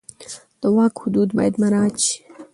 د واک حدود باید مراعت شي.